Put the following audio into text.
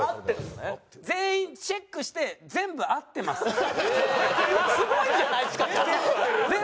全員チェックしてすごいじゃないですかじゃあ。